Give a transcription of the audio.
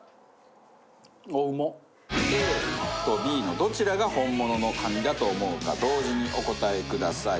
ＡとＢのどちらが本物のカニだと思うか同時にお答えください。